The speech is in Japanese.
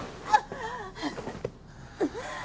あっ。